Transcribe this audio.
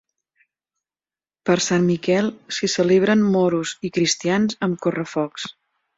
Per sant Miquel s'hi celebren Moros i Cristians amb correfocs.